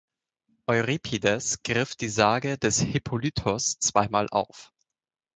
Euripides griff die Sage des „Hippolytos“ zweimal auf.